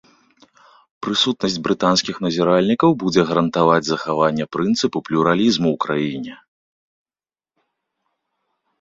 Прысутнасць брытанскіх назіральнікаў будзе гарантаваць захаванне прынцыпу плюралізму у краіне.